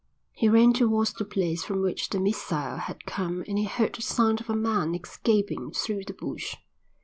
he ran towards the place from which the missile had come and he heard the sound of a man escaping through the bush.